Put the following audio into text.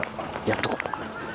やっとこう。